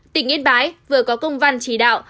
tỉnh yên bái vừa có công văn chỉ đạo